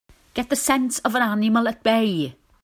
Get the sense of an animal at bay!